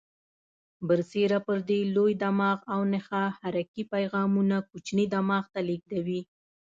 برسیره پر دې لوی دماغ او نخاع حرکي پیغامونه کوچني دماغ ته لېږدوي.